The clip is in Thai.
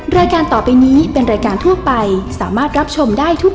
รายการต่อไปนี้เป็นรายการทั่วไปสามารถรับชมได้ทุก